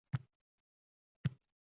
Balki sen ham tusharsan?